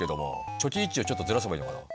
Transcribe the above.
初期位置をちょっとずらせばいいのかな。